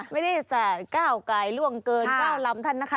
ไม่ได้จะก้าวกายล่วงเกิน๙ลำท่านนะคะ